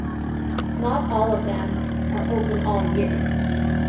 Not all of them are open all year.